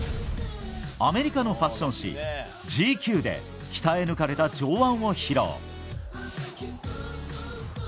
アメリカのファッション誌「ＧＱ」で鍛え抜かれた上腕を披露。